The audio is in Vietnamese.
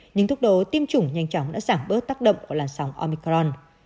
nhưng thúc đố tiêm chủng nhanh chóng đã giảm bớt tác động của làn sóng omicron